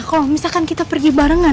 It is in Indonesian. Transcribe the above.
kalau misalkan kita pergi barengan